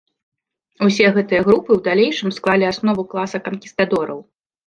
Усе гэтыя групы ў далейшым склалі аснову класа канкістадораў.